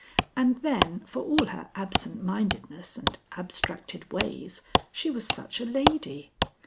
And then, for all her absent mindedness and abstracted ways, she was such a lady!